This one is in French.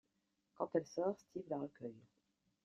Quand elle sort, Steve la recueille.